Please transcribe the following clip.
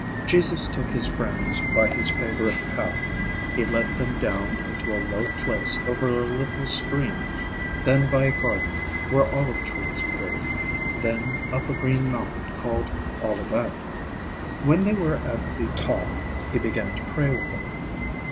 Jesus took his friends by his favourite path; he led them down into a low place over a little stream, then by a garden where olive trees grew, then up a green mountain called Olivet. When they were at the top he began to pray with them.